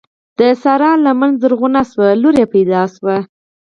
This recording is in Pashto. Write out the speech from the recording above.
د سارا لمنه زرغونه شوه؛ لور يې پیدا شوه.